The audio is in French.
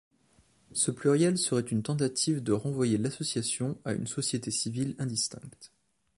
Ce pluriel serait une tentative de renvoyer l'association à une société civile indistincte.